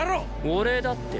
俺だって。